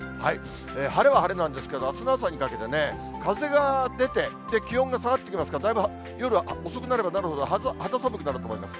晴れは晴れなんですけど、あすの朝にかけてね、風が出て、気温が下がってきますから、だいぶ夜遅くなればなるほど、肌寒くなると思います。